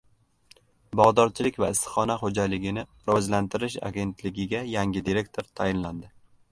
Bog‘dorchilik va issiqxona xo‘jaligini rivojlantirish agentligiga yangi direktor tayinlandi